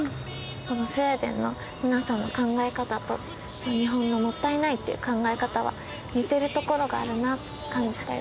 このスウェーデンの皆さんの考え方と日本の「もったいない」っていう考え方は似てるところがあるなと感じたよ。